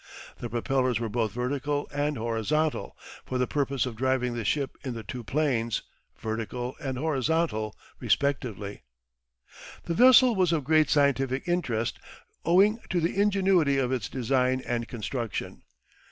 The propellers were both vertical and horizontal, for the purpose of driving the ship in the two planes vertical and horizontal respectively. The vessel was of great scientific interest, owing to the ingenuity of its design and construction.